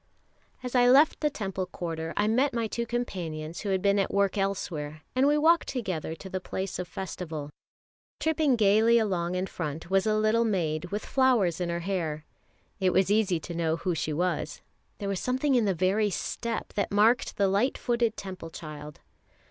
As I left the Temple quarter, I met my two companions who had been at work elsewhere, and we walked together to the place of festival. Tripping gaily along in front was a little maid with flowers in her hair. It was easy to know who she was, there was something in the very step that marked the light footed Temple child.